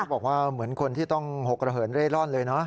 บอกว่าเหมือนคนที่ต้องหกระเหินเร่ร่อนเลยนะ